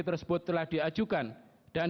tersebut telah diajukan dan